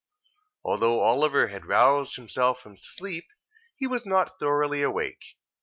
Although Oliver had roused himself from sleep, he was not thoroughly awake.